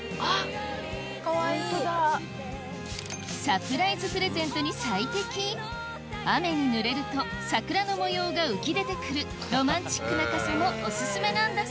サプライズプレゼントに最適雨にぬれると桜の模様が浮き出てくるロマンチックな傘もオススメなんだ